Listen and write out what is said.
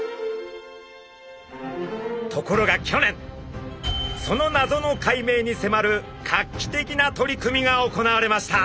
ところが去年その謎の解明に迫る画期的な取り組みが行われました。